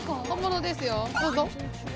どうぞ。